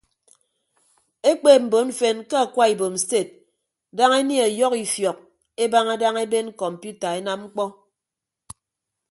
Ekpeep mbon mfen ke akwa ibom sted daña enie ọyọhọ ifiọk ebaña daña eben kọmpiuta enam ñkpọ.